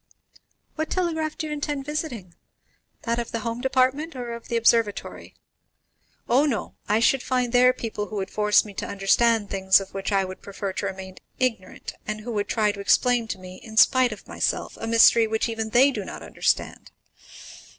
"What telegraph do you intend visiting? that of the home department, or of the observatory?" "Oh, no; I should find there people who would force me to understand things of which I would prefer to remain ignorant, and who would try to explain to me, in spite of myself, a mystery which even they do not understand.